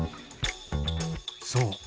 そう。